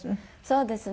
そうですね